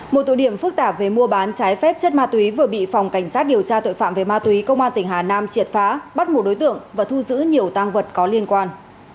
một tổ điểm phức tạp về mua bán trái phép chất ma túy vừa bị phòng cảnh sát điều tra tội phạm về ma túy công an tỉnh hà nam triệt phá bắt một đối tượng và thu giữ nhiều tăng vật có liên quan